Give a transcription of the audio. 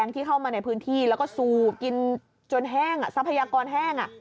ที่เข้ามาในพื้นที่แล้วก็สูบกินจนแห้งทรัพยากรแห้ง